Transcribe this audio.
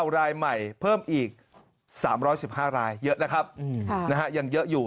รายใหม่เพิ่มอีก๓๑๕รายเยอะนะครับยังเยอะอยู่